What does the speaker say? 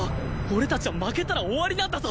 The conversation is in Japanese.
俺たちは負けたら終わりなんだぞ！？